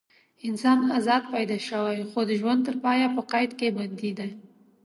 انسان ازاد پیدا شوی خو د ژوند تر پایه په قید کې بندي دی.